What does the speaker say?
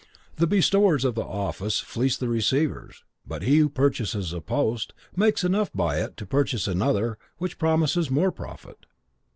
The bestowers of office fleece the receivers; but he who purchases a post, makes enough by it to purchase another which promises more profit.